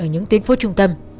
ở những tuyến phố trung tâm